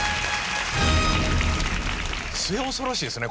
末恐ろしいですね